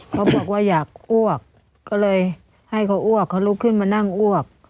เขาบอกว่าอยากอ้วกก็เลยให้เขาอ้วกเขาลุกขึ้นมานั่งอ้วก